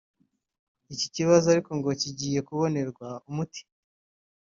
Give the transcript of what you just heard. Iki kibazo ariko ngo kigiye kubonerwa umuti